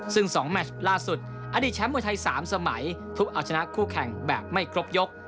ซึ่ง๒แมชล่าสุดอดีตแชมป์มวยไทย๓สมัยทุบเอาชนะคู่แข่งแบบไม่ครบยก